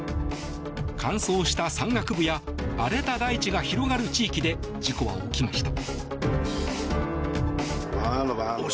乾燥した山岳部や荒れた大地が広がる地域で事故は起きました。